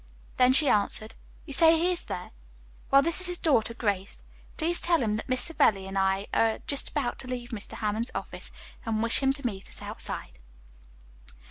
Then she answered, "You say he is there? Well, this is his daughter, Grace. Please tell him that Miss Savelli and I are just about to leave Mr. Hammond's office, and wish him to meet us outside."